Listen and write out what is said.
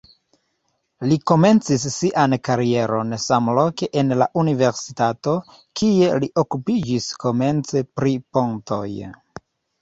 Li komencis sian karieron samloke en la universitato, kie li okupiĝis komence pri pontoj.